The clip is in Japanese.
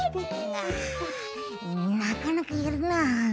なかなかやるな。